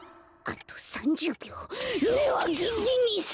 あと１０びょう。